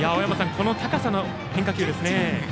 この高さの変化球ですね。